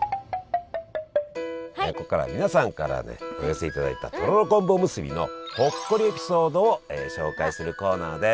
ここからは皆さんからねお寄せいただいたとろろ昆布おむすびのほっこりエピソードを紹介するコーナーです！